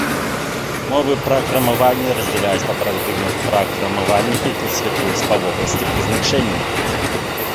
Мовы праграмавання раздзяляюць па парадыгмах праграмавання і класіфікуюць па вобласці прызначэння.